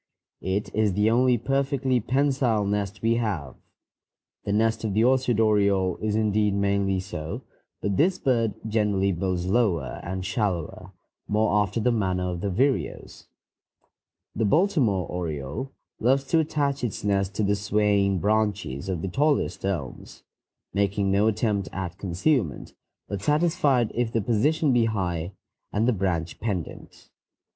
It is the only perfectly pensile nest we have. The nest of the orchard oriole is indeed mainly so, but this bird generally builds lower and shallower, more after the manner of the vireos. The Baltimore oriole loves to attach its nest to the swaying branches of the tallest elms, making no attempt at concealment, but satisfied if the position be high and the branch pendent.